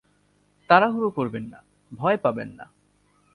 তাড়াহুড়ো করবেন না, ভয় পাবেন না।